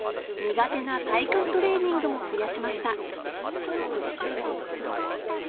苦手な体幹トレーニングも増やしました